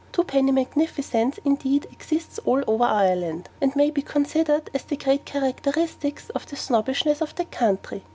Twopenny magnificence, indeed, exists all over Ireland, and may be considered as the great characteristic of the Snobbishness of that country.